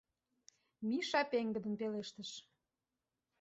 — Миша пеҥгыдын пелештыш».